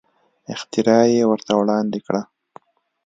اختراع یې ورته وړاندې کړه.